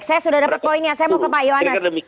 saya sudah dapat poinnya saya mau ke pak yohanes